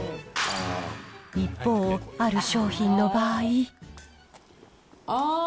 一方、ある商品の場合。